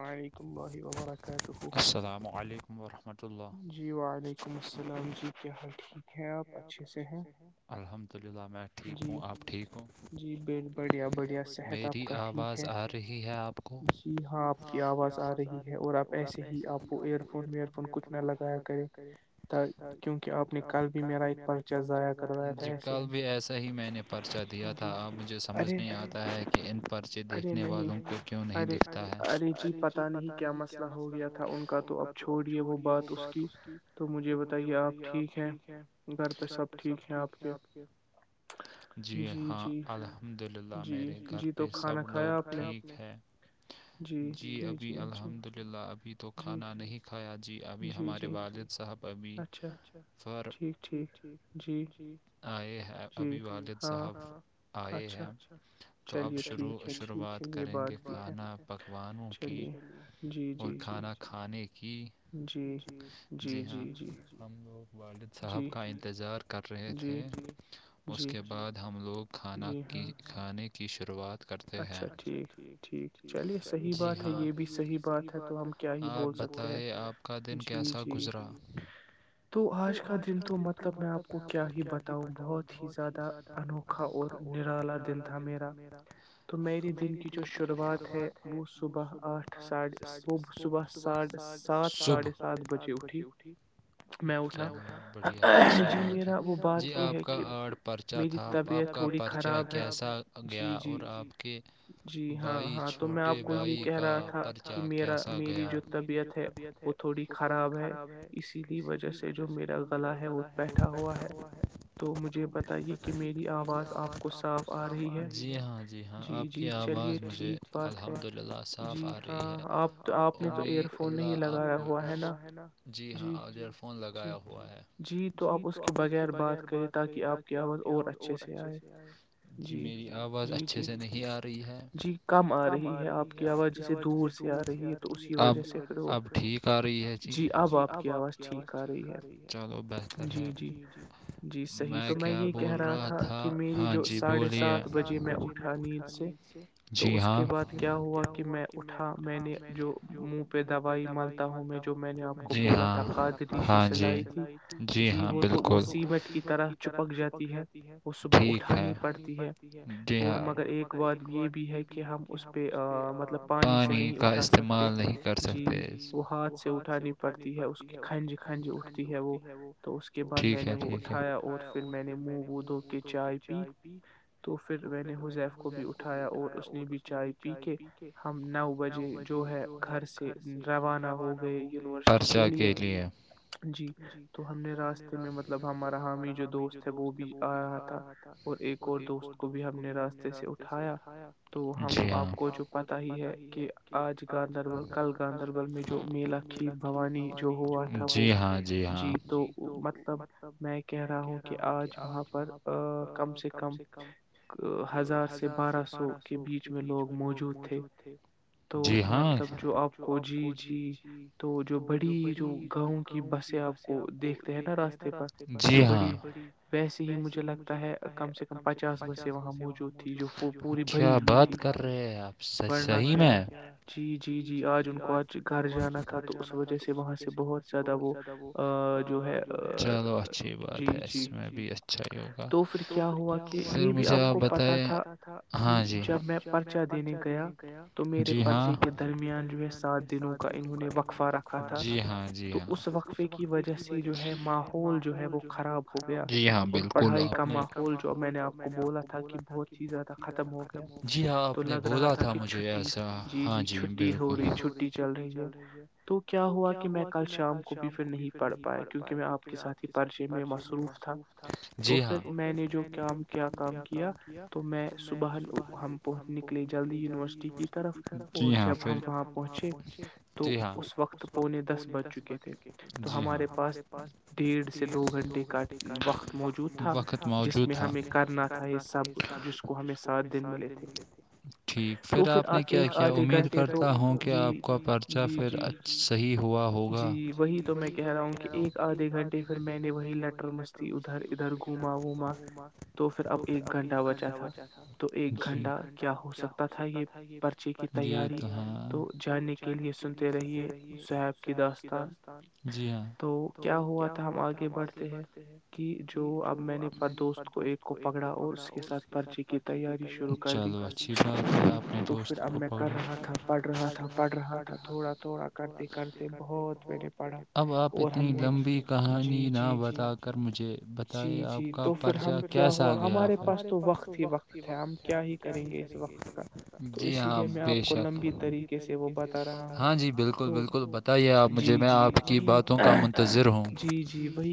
علیکم اللہ وبرکاتہ جی وعلیکم ال السلام جی کیا حال ٹھیک ہے ے سے الحمد اللہ میں ٹھیک ہوں آپ ٹھیک ہوں ج میری آواز آ رہی ہے آپ کو جی ہاں آپ کی آواز آ رہی ہے اورپ ایسے ہی آپ کو ایر فون فون کچھ نہ لگایا کرے کیونکہ آپ نے کل بھی میرا ایکچ ج کل بھی ایسا ہی میں نے پرچہ دیا تھا اب مجھے سمجھ نہیں آتا ہے کہ ان پرچے دیکھنے والوں کو کیوں نہیں دکھتا ہے ارے جی پت نہیں کیا مسئلہ ہو گیا تھا ان کا تو اب چھوڑ بات اس کی تو مجھے بتائیے آپ ٹھیک ہیں گھر پہ سب ٹھیک ہے آپ کے جی ہاں الحمد للہ میرے گھر پہ سب لوگ ٹھیک ہے جی ابھی الحمد للہ ابھی تو کھانا نہیں کھایا جی ابھی ہمارے والد صاحب ابھی فر ٹھیک ٹھیک جی آئے ہے ابھی والد صاحب آئے ہیں آ سےا تو اب شروع شروعات کریں گے کھانا پکوانوں کی اور کھانا کھانے کی کہ جی ہاں ہم لو والد صاحب کا انتظار کر رہے تھے اس کے بعد ہم م لوگ کھانا کی کھانے کی شروعات کرتے ہیںچھا جی ہاں یہ بھیحیح بات ہے آپ بتائے آپ کا دن کیسا گزرا تو آج تو مطلب میں آپ کو کیا ہی بتاؤں بہت ہی زیادہ انوکھا اور نرالا دن تھا میرا تو میری دن کی جو شروعات ہے وہ صبح آٹھ ساھ صبح ساھ سات ساھے سات بجے اٹھی میں اٹھا اچا جی آپ کا آڈ پرچا تھا آپ کا پرچا کیسا گیا اور آپ کے بائی چھوٹے بھائی کا پرچہ کیسا گیا میری جو طبیعت ہے وہ تھوڑی خراب ہے اسی کی وجہ سے جو میرا پ ہے وہ بیٹھا ہوا ہے تو مجھے پت ہے کہ میری آواز آپ کو صاف آ رہی ج جی ہاں آپ کی آواز مجھے الحمد للہ صاف آ رہی ہے جی ہاں ایئر فون لگایاا ہے جی تو آپ اس کے بغیر بات کریں تاکہ آپ کی آواز اور اچھے سے آئے جی میری آواز اچھے سے آ رہی ہے جی کم آ رہی ہے آپ کی آواز جسے دور سے آ رہی ہے آپ وج اب ٹھیک آ رہی ہے جی جی اب آپ کی آواز ٹھیک آ رہی ہے چلو بہت میں کیا بول رہا تھا ہاں جی بولیے ند سے جی ہاں اس کے بعد کیا ہوا کہ میں اٹا میں نے جو منہ پہ دوائی مالتا ہوں میں جی ہاں بالکل وہ سیٹ کی طرح چپک جاتی ہے ٹھیک ہے ہانی پڑتی ہے اور مگر ایک بات یہ بھی ہے کہ ہم اس پہ پانی کا استعمال نہیں کر سکتے وہ ہاتھ سے اٹھانی پڑتی ہے اس کھنج کھنج اٹھ تو اس کے بعد میں نے وہ اٹھایا اور پھر میں نے منہ و دھ کے چائے پی تو پھر پھر میں نے حزف کو بھی اٹھایا اور اس نے بھی چائے پی کے ہم نو بجے جو ہے گھر سے روانہ ہو گئےرش کے لیے جی تو ہم نے راستے میں مطلب ہمارا حامی جو دوست ہے وہ بھی آ رہا تھا اور ایک اور دوست کو بھی ہم نے راستے سے اٹھایا جیاں آپ کو جو پتا ہی ہے کہ آج گاندربل کل گاندربل میں جو میلا کھیت بھانی جو ہاں جی تو مطلب میں کہہ رہا ہوں کہ آج وہاں پر کم سے کم ہزار سے بارہ سو کے بیچ میں لوگ موجود تھے تو مطلب جو آپ کو جی جی تو جو بڑی جو گاؤں کی کی بسیں آپ کو دیکھتے ہیں نا راستے میں بڑی ویسے ہی مجھے لگتا ہے کم سے کم پچاس وہاں موجود کیا بات کر رہے ہیں آپحیح میں جی جی جی آج جن کو آج گار جانا تھا تو اس وجہ سے وہاں سے بہت چلو اچھی بات ہے اس میں بھی اچھا ہوگا توھر کیاھر مجھے بتایا جاتا تھا ہاں جی جب میں پرچہ دینے گیا جی ہاں پرچے کے درمیان جو ہے سات دنوں کا انہوں نے وکفارہ جی ہاں جی ہاں وقفے کی وجہ سے جو ہے ماحول جو ہے وہ خراب ہو گیا اور پڑھائی کا ماحول جو میں نے آپ کو بولا تھا کہ بہت ہی زیادہ ختم ہو گیا تو لگ رہا تھا کہ چٹی جی جی چھٹی ہو رہی چھٹی چل رہی ہے تو کیا ہوا کہ میں کل شام کو بھی بھی پھر نہیں پڑھ پایا کیوںہ میں آپ کے سات ہی پرچے میں مصروف تھا جی ہاں تو پھر میں نے جو کام کیا کام کیا تو میں صبح ہمہنچ نکلے جلدی یونیورسٹی کی طرف جب ہم وہاں پہنچے تو اس وقت پونے دس بج چکے تو ہمارے پاس ڈیڑھ سے دو گھنٹے کا وقت موجود تھا جس میں ہمیں کرنا نا ٹھیک پھر آپ نے کیا کیا امید کرتا ہوں کہ آپ کا پرچہ پھر صحیح ہوا ہوگا جی وہی تو میں کہہ رہا ہوں کہ ایک آدھے گھنٹے پھر میں نے وہی لٹر مستی ادھر ادھر گھوما ووما تو پھر اب ایک گھنٹہ بچا تھا تو ایک گھنٹہ کیا ہو سکتا تھا یہ پرچ تو جاننے کے لیے سنتے رہیے گداستان جی ہاں تو کیا ہوا تھا ہم آگے بڑھتے ہیں کہ جو اب میں نے دوست کو ایک کو پکڑا اور اس کے ساتھ پرچی کی تیاری چو اچھی بات ہےنے دوست کو کر رہا تھا پڑھ رہا تھا پڑھ رہا تھا تھڑا تھڑا کر بہت پیرے اب آپ اتنی لمبی کہانی نہ بتا کر مجھے بتے آپ کا پرچہ کیسا آ گیا ہمارے پاس وت ہییں گے جی ہاں بے شک لب طے ہاں جی بالکل بالکل بتائیے آپ مجھے میں آپ کی باتوں کا منتظر ہوں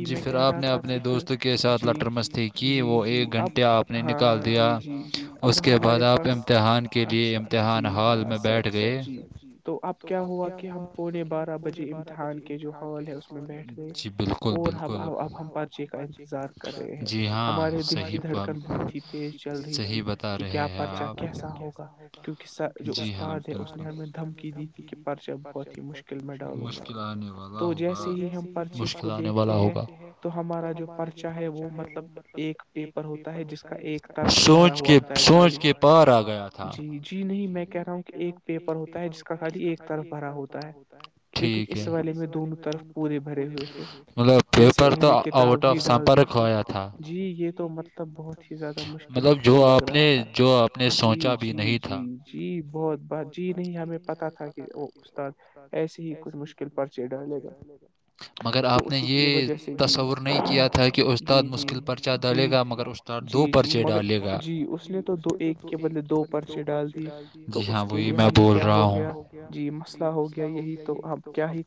جی پھر آپ نے اپنے دوست کے ساتھ لٹر مستی کی وہ ایک گھنٹے آپ نے نکال دیا اس کے بعد آپ امتحان کے لیے امتحان ہال میں بیٹھ گئے تو بارہ بجے امتحان جی بالکل بالکل کا جی ہاںحی صحیح بتا رہے ہیں آپ ہوگ جی ہاںمی دی مشکلان تو جیسے ہی ہم پرچے کو دیکھتے ہیں تو ہمارا جو پرچا ہے وہ مطلب ایک پیپر ہوتا ہے جس کا ایک طرف بھرا ہوا ہوتا ہے خالی جی جی نہیں میں کہہ رہا ہوں کہ ایک پیپر ہوتا ہے جس کا خالی ایک طرف بھرا ہوتا ہے لیکن اس والالے میں دونوں طرف پورے بھرے ہوئے تھے جیسے انہوں نے کتاب ہی ڈال دی تھی جی یہ تو مطلب بہت ہی زیادہ مشکل وہ لگ رہا تھا جی جی جی جی بہت بات جی نہیں ہمیں پتا تھا کہ وہ استاد ہی کچھشکل پرچ الے مگر آپ نے یہ تصور نہیں کیا تھا کہ استاد مشکل پرچہ ڈالے گا مگر استاد دو پرچے ڈالے گا جی تو بلے دوچے ڈال جی ہاں وہی میں بول رہا ہوں ج یہی تو اب کیا ہی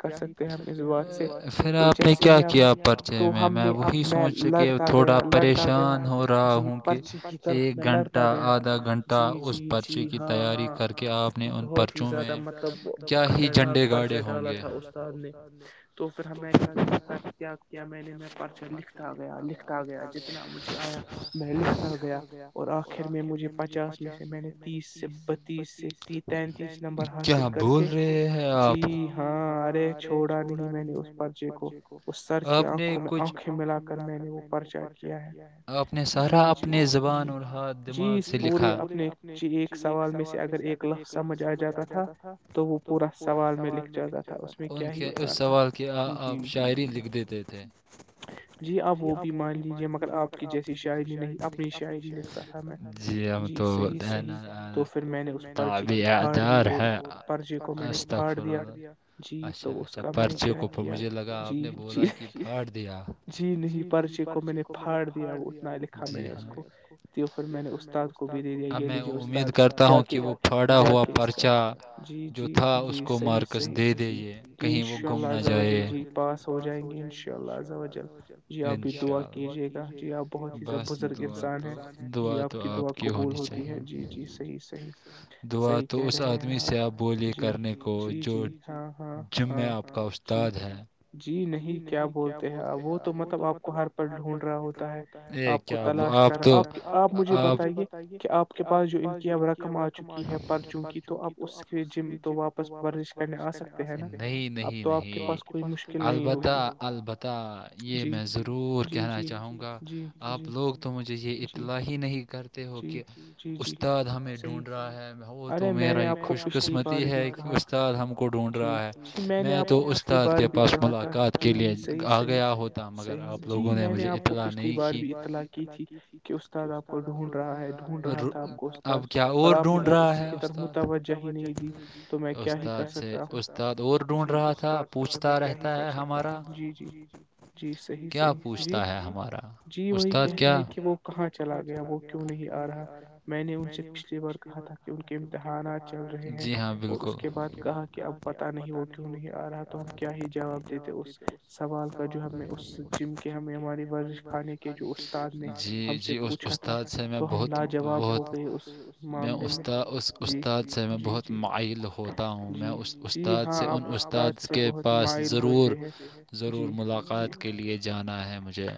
پھر آپ نے کیا کیا پرچے میں میں وہی سوچ کے تھوڑا پریشان ہو رہا ہوں کہ ایک گھنٹہ آدھا گھنٹہ اس پرچے کی تیاری کر کے آپ نے ان پرچوں میں کیا ہی جنڈے گاڑے ہوں گے تو پھر ہم کیا کیا میں نے میں پرچہ لکھتا گیا لکھتا گیا جتنا مجھے آیا میں لکھتا گیا اور آخر میں مجھے پچاس میں سے میں نے تیس سے بتیس سے تینتیس نمبر حاصل کر کے ے ہیں آپ ہی ہاں ے چھوڑا نہیں میں نے اس پرچے کو آپ نے کچھ آنکھیں ملا کر میں نے وہ پرچہ کیا ہے آپ نے سارا اپنے زبان اور ہاتھ دماغ سے لکھا پورے اپنے ایک سوال میں سے اگر ایک لق سمجھ آ جاتا تھا پورا سوال میں لکھ جاتا تھا اس میں ان کے اس سوال کی آپ شاعری لکھ دیتے تھے جی آپ وہ بھی مان لیجیے مگر آپ کی جیسی شاعری نہیںع جی ہم تو کو میں نے پھاڑ دیا جیت اچھا اچھا پرچے کو مجھے لگا آپ نے بولا کہ پھاڑ دیا جی نہیںچے کو میں دیا ج میں امید کرتا ہوں کہ وہ پاڑا ہوا پرچا جی جی صحیح صحیح جی کہیں وہ گم نہ جائے جائیں گے دا بس دعا دعا تو آپ کی ہونی چاہیے دعا تو اس آدمی سے آپ کرنے کو جو جمے آپ کا استاد ہے جی نہیں کیا بولتے ہیں وہ تو مطلب آپ کو ہر پر ڈھونڈ رہا ہوتا ہے کیا آپ آپ یہ بتائیے کہ آپ کے پاس جو ان کی اب رقم آ جی ہے پرچوں کی تو کہہ جم تو واپس ورزش کر آ سک ہیں نہیں نہیں نہیں البتہ البتہ یہ میں ضرور کہنا چاہوں گا آپ لوگ تو مجھے یہ اطلاع ہی نہیں کرتے ہو کہ استاد ہمیں ڈھونڈ رہا ہے تو میرا یہ خوش قسمتی ہے کہ استاد ہم کو ڈھونڈ رہا ہے میں تو استاد کے پاس ملاقات کے لیے آ گیا ہوتا مگر آپ لوگوں نے مجھے اطلاع نہیں کی اطلا کی تھی کہ اسد آپ کو ڈھونڈ رہا اب کیا اور ڈھونڈ رہا ہے استاد استاد استاد اور ڈھونڈ رہا تھا پوچھتا رہتا ہے ہمارا کیا پوچھتا ہے ہمارا استاد کیا کہ وہ کہاں چلا گیا وہ کیوں نہیں آ رہا میں نے ان سے پچھلی بار کہ ان کے امتحاناتج چل رہے ہیں اور اس کے بعد کہا کہا کہ اب پت نہیں وہ کیوں نہیں آ رہا تھا ہم کیا ہی جواب دیتے اس سوال کا جواری زشانے کی جی جی اس اسد سےہ اس استاد سے میں بہت معائل ہوتا ہوں میں اس استاد سے ان استاد کے پاس ضرور ضرور ملاقات کے لیے جانا ہے مجھے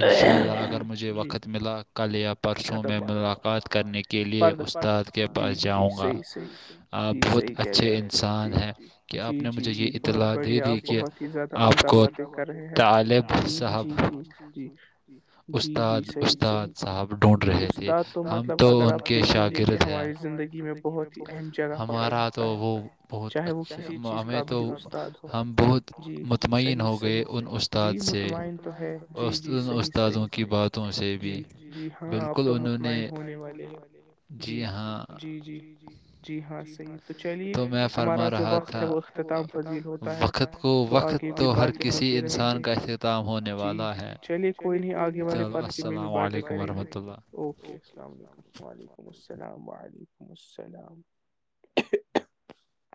ان شاء اللہ اگر مجھے وقت ملا کل یا پرسوں میں ملاقات کرنے کے لئے استاد کے پاس جاؤں گا آپ بہت اچھے اچھے انسان ہیں کہ آپ نے مجھے یہ اطلاع دے دی کہ آپ کو طالب صاحب استاد استاد صاحب ڈھونڈ رہے تھے ہم تو ان کے شاگرد ہیں زگی ہمارا تو وہ بہت اچھا ہمیں تو ہم بہت مطمئن ہو گئے ان استاد سے اس ان استادوں کی باتوں سے بھی بالکل انہوں نے ہونے والے جی ہاں جی جی جی ہاں تو میں فرما رہا تھا وقت کو وقت تو ہر کسی انسان کا اختتام ہونے والا ہےل السلام علیکم کریں گے اوکے السلام علیکم وعلیکم السلام و علیکم لم وسلامٹ